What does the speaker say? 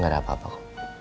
gak ada apa apa kok